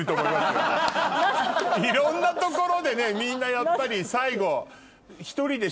いろんな所でみんなやっぱり最後。